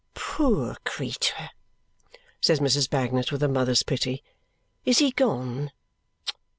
"Poor creetur!" says Mrs. Bagnet with a mother's pity. "Is he gone?